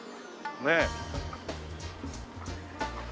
ねえ。